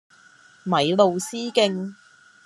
米路斯徑